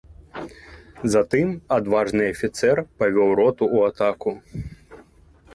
Затым адважны афіцэр павёў роту ў атаку.